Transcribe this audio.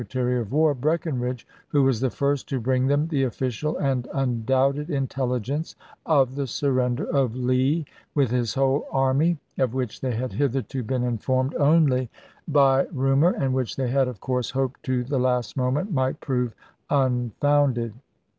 tary of War, Breckinridge, who was the first to bring them the official and undoubted intelligence of the surrender of Lee with his whole army, of which they had hitherto been informed only by 260 ABKAHAM LINCOLN ch. xiii. rumor, and which they had of course hoped to the last moment might prove unfounded.